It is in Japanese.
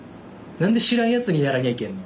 何で知らんやつにやらにゃいけんの。